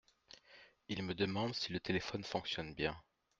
Il me demande si le téléphone fonctionne bien !…